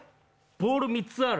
ボール３つある？